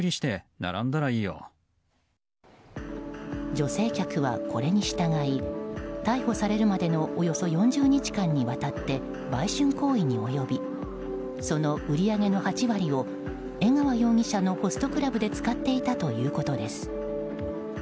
女性客はこれに従い逮捕されるまでのおよそ４０日間にわたって売春行為に及びその売り上げの８割を江川容疑者のホストクラブで使っていたということです。